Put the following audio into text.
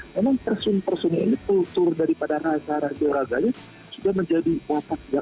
memang person person ini kultur daripada rasa rasioraganya sudah menjadi kuasa